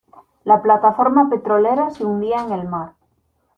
La plataforma petrolera se hundía en el mar.